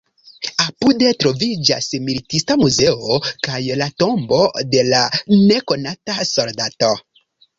Apude troviĝas militista muzeo kaj la Tombo de la Nekonata Soldato.